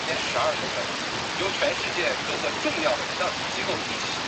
普雷雪伦广场是位于斯洛维尼亚首都卢比安纳市中心的一座广场及行人专用区。